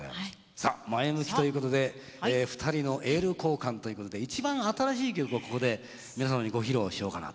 さっ前向きということで２人のエール交換ということで一番新しい曲をここで皆様にご披露しようかなと。